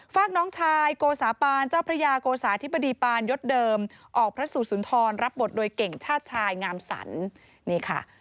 ฝากน้องชายโกสาปานเจ้าพระยาโกสาธิบดีปานยศเดิมออกพระสุสุนทรรับบทโดยเก่งชาติชายงามสรรนี่ค่ะ